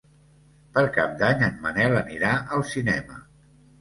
Per Cap d'Any en Manel anirà al cinema.